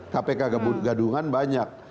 kpk gadungan banyak